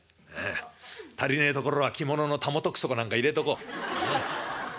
足りねえところは着物のたもとくそか何か入れとこう。